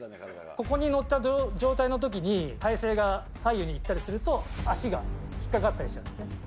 ここに乗った状態のときに、体勢が左右にいったりすると、足が引っ掛かったりするんですよ